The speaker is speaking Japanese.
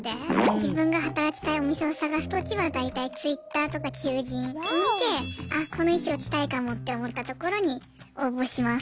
自分が働きたいお店を探すときは大体Ｔｗｉｔｔｅｒとか求人を見てあっこの衣装着たいかもって思ったところに応募します。